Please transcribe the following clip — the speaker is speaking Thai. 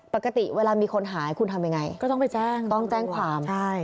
ปกติเวลามีคนหายคุณทำยังไงก็ต้องไปแจ้งต้องแจ้งความ